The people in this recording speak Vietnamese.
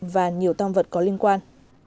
và nhiều tăng vật có liên quan